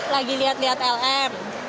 lagi tadi lagi lihat lihat lm